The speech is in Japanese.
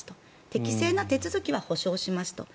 適正な手続きは保証しますと。